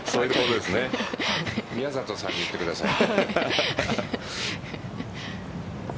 宮里さんに言ってください。